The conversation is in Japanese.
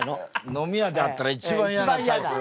飲み屋で会ったら一番嫌なタイプの。